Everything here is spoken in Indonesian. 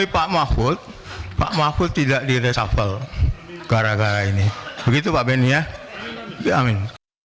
pak mahfud tidak di reshuffle gara gara ini begitu pak benny ya amin